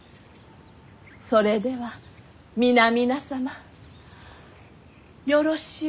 それでは皆々様よろしゅう